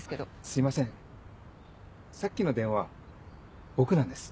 すいませんさっきの電話僕なんです。